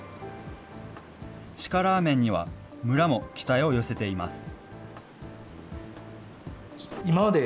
鹿ラーメンには、村も期待を寄せています。